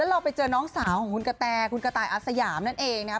เราไปเจอน้องสาวของคุณกะแตคุณกระต่ายอาสยามนั่นเองนะครับ